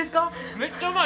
めっちゃうまいで！